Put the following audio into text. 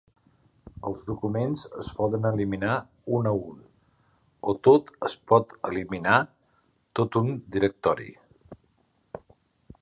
Els documents es poden eliminar un a un, o tot es pot eliminar tot un directori.